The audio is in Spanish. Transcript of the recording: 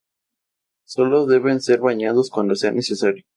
Sólo deben ser bañados cuando sea necesario.